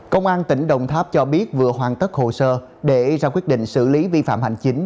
công an tỉnh đồng tháp cho biết vừa hoàn tất hồ sơ để ra quyết định xử lý vi phạm hành chính